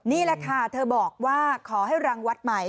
นี่แหละค่ะเธอบอกว่าขอให้รังวัดใหม่